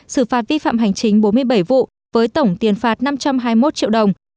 xử phạt vi phạm hành chính bốn mươi bảy vụ với tổng tiền phạt năm trăm hai mươi một triệu đồng